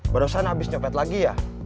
barusan habis copet lagi ya